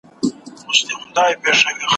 ښکاري هره ورځ څلور پنځه ټاکلې ,